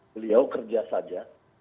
beliau kerja saja